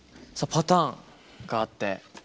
パターンがあって。